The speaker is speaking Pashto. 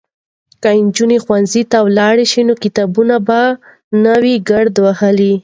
که نجونې ښوونځي ته لاړې شي نو کتابونه به نه وي ګرد وهلي.